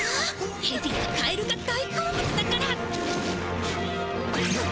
ヘビはカエルが大こう物だから！